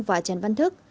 và trần văn thức